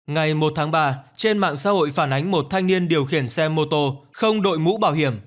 ngày một tháng ba trên mạng xã hội phản ánh một thanh niên điều khiển xe mô tô không đội mũ bảo hiểm